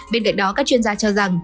bên cạnh đó các chuyên gia cho rằng